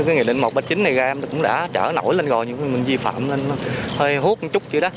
nghị định một trăm ba mươi chín này cũng đã trở nổi lên rồi nhưng mình vi phạm lên hơi hút một chút chứ đó